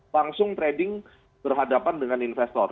langsung trading berhadapan dengan investor